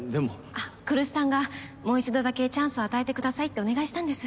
あっ来栖さんがもう１度だけチャンスを与えてくださいってお願いしたんです。